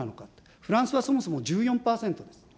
フランスはそもそも１４％です。